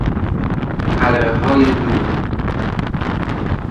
حلقههای دود